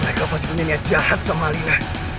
mereka pasti punya niat jahat sama lina